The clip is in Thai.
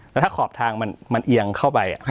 แล้วถ้าขอบทางมันเอียงเข้าไป